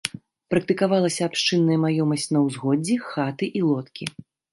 Практыкавалася абшчынная маёмасць на ўгоддзі, хаты і лодкі.